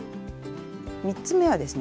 ３つ目はですね